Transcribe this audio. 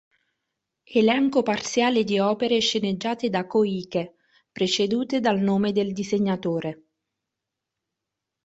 Elenco parziale di opere sceneggiate da Koike, precedute dal nome del disegnatore.